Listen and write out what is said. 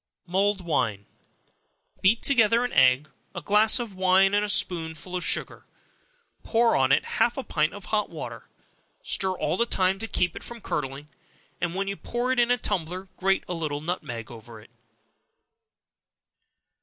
Mulled Wine. Beat together an egg, a glass of wine, and a spoonful of sugar; pour on it half a pint of hot water; stir all the time to keep it from curdling, and when you pour it in a tumbler, grate a little nutmeg over it.